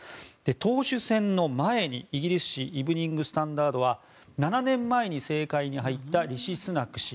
党首選の前にイギリス紙イブニング・スタンダードは７年前に政界に入ったリシ・スナク氏